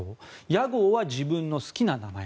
屋号は自分の好きな名前。